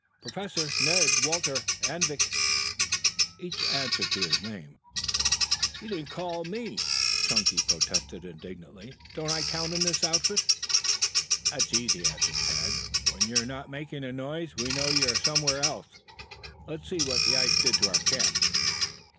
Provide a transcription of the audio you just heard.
"Professor, Ned, Walter, Anvik!" Each answered to his name. "You didn't call for me," Chunky protested indignantly. "Don't I count in this outfit?" "That's easy," answered Tad. "When you're not making a noise we know you're somewhere else. Let's see what the ice did to our camp."